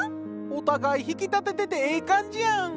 お互い引き立てててええ感じやん！